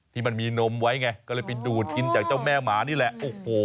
ที่มันมีนมไว้ไงก็เลยไปดูดกินจากเจ้าแม่หมานี่แหละโอ้โห